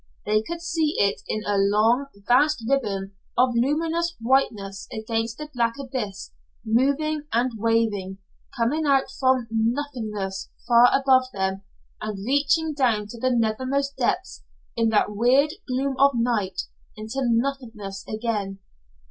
They could see it in a long, vast ribbon of luminous whiteness against the black abyss moving and waving coming out from nothingness far above them, and reaching down to the nethermost depths in that weird gloom of night into nothingness again.